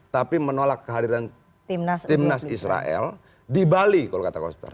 tapi menolak kehadiran timnas israel di bali kalau kata koster